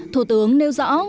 thủ tướng nêu rõ